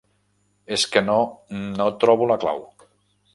És que no... no trobo la clau.